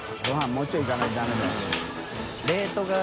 もうちょっといかないとダメだよ。